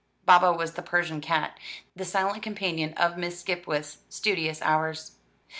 Baba was the Persian cat, the silent companion of Miss Skipwith's studious hours.